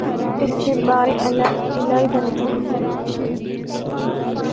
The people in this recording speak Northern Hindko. اس دے بارے علیحدہ لکھساں۔